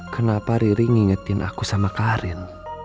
kenapa riri ngingetin aku sama karin